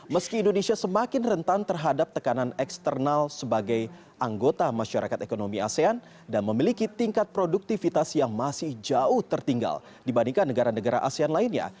meski indonesia semakin rentan terhadap tekanan eksternal sebagai anggota masyarakat ekonomi asean dan memiliki tingkat produktivitas yang masih jauh tertinggal dibandingkan negara negara asean lainnya